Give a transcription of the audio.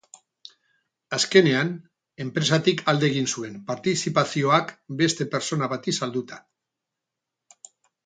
Azkenean, enpresatik alde egin zuen partizipazioak beste pertsona bati salduta.